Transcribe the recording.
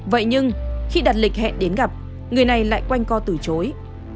vậy nhưng khi đặt lịch hẹn đến gặp người này lại quanh co từ chối